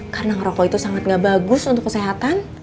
karena ngerokok itu sangat gak bagus untuk kesehatan